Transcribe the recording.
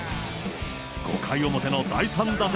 ５回表の第３打席。